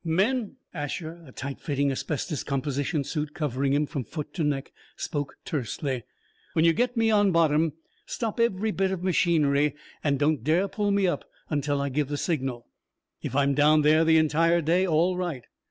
"Men," Asher, a tight fitting asbestos composition suit covering him from foot to neck, spoke tersely "when you get me on bottom, stop every bit of machinery, and don't dare pull up until I give the signal. If I'm down there the entire day, all right.